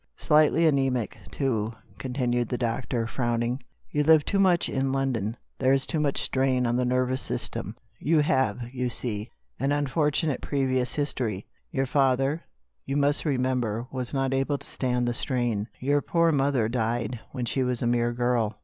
Slightly anaemic, too," continued the doctor, frowning. " You live too much in London. There is too much 214 TWO ULTIMATUMS. 215 see, an unfortunate previous history. Your father, you must remember, was not able to stand the strain ; your poor mother died when she was a mere girl.